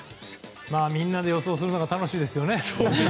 みんなで予想するのが楽しいですよね。